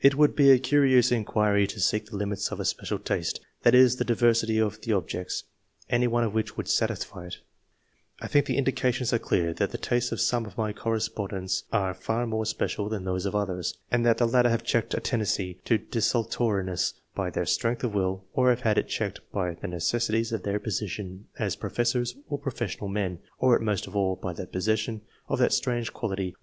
It would be a curious inquiry to seek the limits of a special taste, that is, the diversity of the objects, any one of which would satisfy it. I think the indications are clear that the tastes of some of my correspondents are far more special than those of others, and that the latter have checked a tendency to desul toriness by their strength of will, or have had it checked by the necessities of their position as professors or professional men; or, most of all, by the possession of that strange quality 194 ENGLISH MEN OF SCIENCE. [chap.